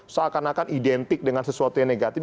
seakan akan identik dengan sesuatu yang negatif